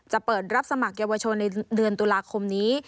เปิดรับสมัครเยาวชนในเดือนตุลาคมนี้